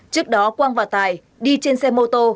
trước đó quang và tài đi trên xe mô tô